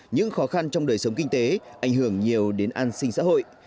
những khó khăn trong đời sống kinh tế ảnh hưởng nhiều đến an sinh xã hội